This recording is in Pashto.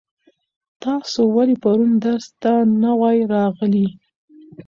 تاسو ولې پرون درس ته نه وای راغلي؟